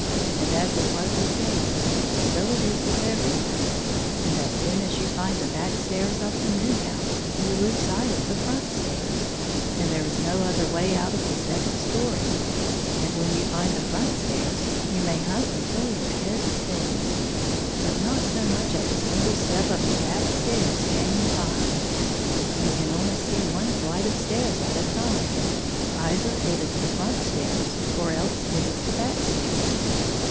And as it was with David, so it is with every one : as soon as you find the back stairs of the moon house, you lose sight of the front stairs, and there is no other way out of the second story; and when you find the jfiront stairs, you may hunt until your head spins, but not so 72 much as a single step of the back stairs can you find. You can only see one flight of stairs at a time; — either it is the front stairs, or else it is the back stairs.